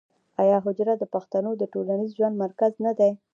آیا حجره د پښتنو د ټولنیز ژوند مرکز نه دی؟